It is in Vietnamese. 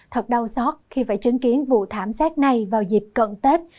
thật đau xót khi phải chứng kiến vụ thám xác này vào dịp cận tết